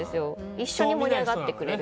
一緒に盛り上がってくれる。